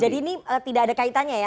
jadi ini tidak ada kaitannya ya